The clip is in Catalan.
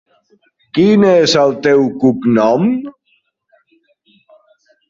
Quin és el teu cognom?